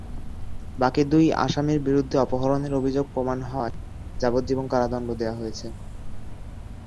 বাকি দুই আসামির বিরুদ্ধে অপহরণের অভিযোগ প্রমাণ হওয়ায় যাবজ্জীবন কারাদণ্ড দেওয়া হয়েছে।